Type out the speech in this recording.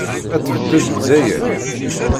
Ad tbeddel Lezzayer?